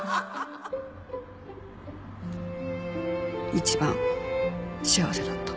「」一番幸せだった。